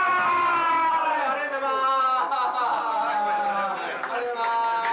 ありがとうございます。